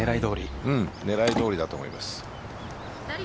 狙いどおりだと思います。